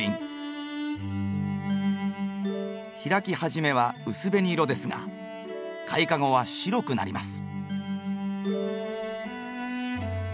開きはじめは薄紅色ですが開花後は白くなります。